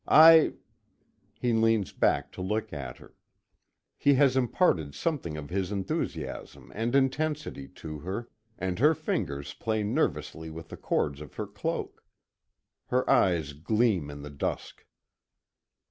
I " He leans back to look at her. He has imparted something of his enthusiasm and intensity to her, and her fingers play nervously with the cords of her cloak. Her eyes gleam in the dusk.